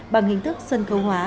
bằng hình thức sân khấu hóa